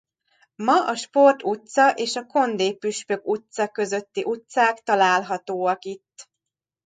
Ma a Sport utca és a Kondé püspök utca közötti utcák találhatóak itt.